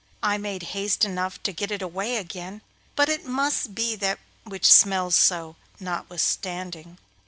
'I made haste enough to get it away again, but it must be that which smells so, notwithstanding.